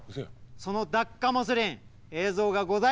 そのダッカモスリン映像がございます。